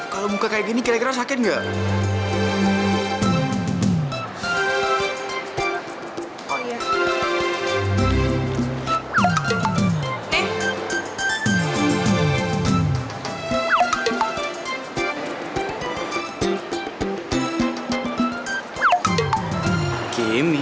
kalau muka kayak gini kira kira sakit nggak